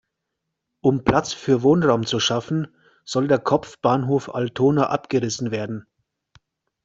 Um Platz für Wohnraum zu schaffen, soll der Kopfbahnhof Altona abgerissen werden.